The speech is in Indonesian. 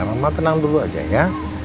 mama tenang dulu aja ya